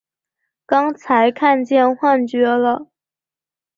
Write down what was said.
刚才看见幻觉了！